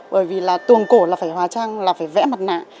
bởi vì là tuồng cổ là phải hòa trang là phải vẽ mặt nạ